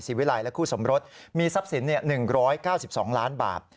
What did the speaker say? วิลัยและคู่สมรสมีทรัพย์สิน๑๙๒ล้านบาท